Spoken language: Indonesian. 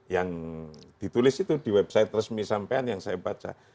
yang ditulis itu di website resmi sampean yang saya baca